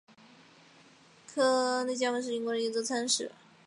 克雷加文是英国的一座城市。